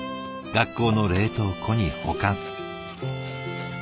学校の冷凍庫に保管。